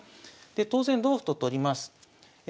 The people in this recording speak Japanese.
当然同歩と取ります。